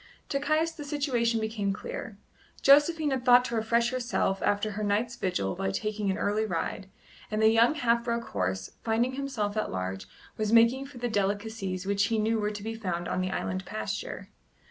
To Caius the situation became clear. Josephine had thought to refresh herself after her night's vigil by taking an early ride, and the young half broken horse, finding himself at large, was making for the delicacies which he knew were to be found on the island pasture.